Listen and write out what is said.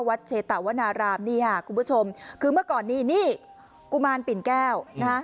เชตะวนารามนี่ค่ะคุณผู้ชมคือเมื่อก่อนนี่นี่กุมารปิ่นแก้วนะฮะ